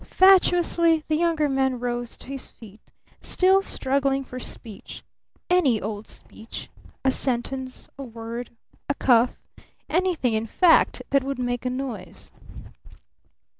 Fatuously the Younger Man rose to his feet, still struggling for speech any old speech a sentence, a word, a cough, anything, in fact, that would make a noise.